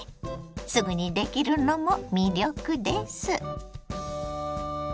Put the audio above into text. すぐにできるのも魅力です。